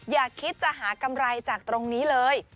อย่าคิดจะหากำไรจากตรงนี้เลย